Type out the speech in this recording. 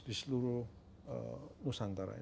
di seluruh nusantara